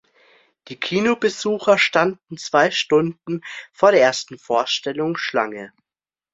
Die Kinobesucher standen zwei Stunden vor der ersten Vorstellung Schlange.